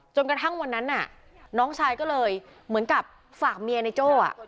กระทั่งวันนั้นน่ะน้องชายก็เลยเหมือนกับฝากเมียในโจ้